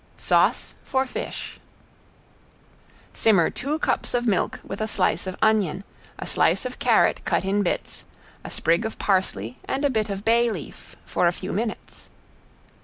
~SAUCE FOR FISH~ Simmer two cups of milk with a slice of onion, a slice of carrot cut in bits, a sprig of parsley and a bit of bay leaf for a few minutes.